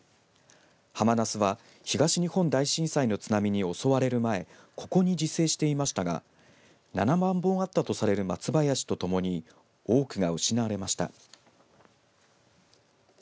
ハマナスは東日本大震災の津波に襲われる前ここに自生していましたが７万本あったとされる松林とともに多くが失われました。